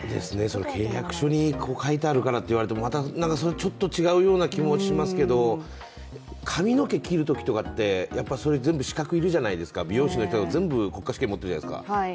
契約書に書いてあるからと言われてもそれはちょっと違うような気もしますけど、髪の毛切るときとかってそれ全部、資格がいるじゃないですか、美容師の人は全部、国家資格を持ってるじゃないですか。